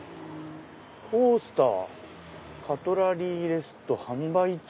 「コースターカトラリーレスト販売中」。